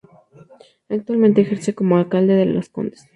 Actualmente ejerce como alcalde de Las Condes.